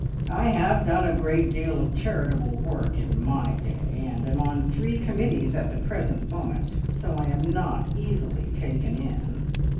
I have done a great deal of charitable work in my day, and am on three committees at the present moment, so I am not easily taken in.